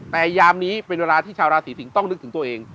แต่ยามนี้เป็นเวลาที่ชาวราศีสิงศ์ต้องนึกถึงตัวเอง